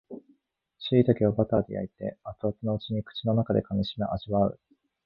しいたけをバターで焼いて熱々のうちに口の中で噛みしめ味わう